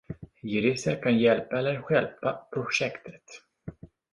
Jurister kan hjälpa eller stjälpa projektet